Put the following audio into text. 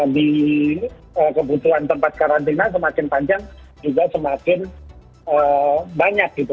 di kebutuhan tempat karantina semakin panjang juga semakin banyak gitu